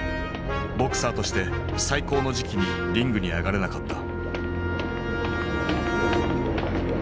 ボクサーとして最高の時期にリングに上がれなかった。